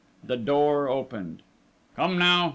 The door opened. "Come now!